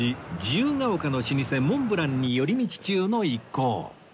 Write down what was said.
自由が丘の老舗モンブランに寄り道中の一行